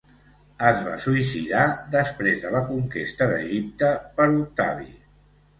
Es va suïcidar després de la conquesta d'Egipte per Octavi.